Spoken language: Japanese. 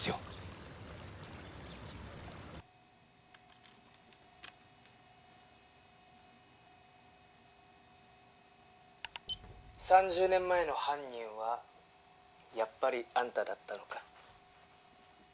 パソコン「３０年前の犯人はやっぱりあんただったのか」